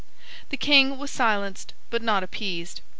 The King was silenced, but not appeased.